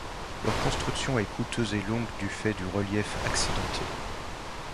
Leur construction est coûteuse et longue du fait du relief accidenté.